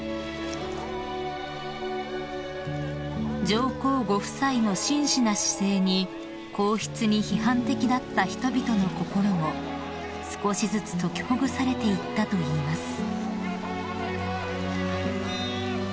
［上皇ご夫妻の真摯な姿勢に皇室に批判的だった人々の心も少しずつ解きほぐされていったといいます］